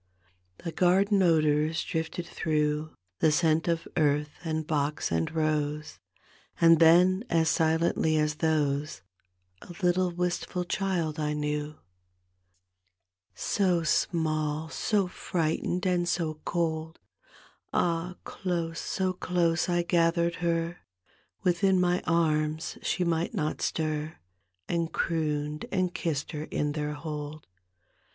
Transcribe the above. The garden odors drifted through. The scent of earth and box and rose, And then, as silently as those, A little wistful child I knew. D,gt,, erihyGOOglC Such Are the Souls in Purgatory So small, so frightened and so cold, Ah, close, so close I gathered her Within my aims, she might not stir, And crooned and kissed her in their hold.